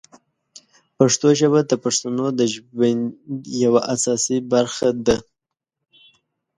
پښتو ژبه د پښتنو د ژوند یوه اساسي برخه ده.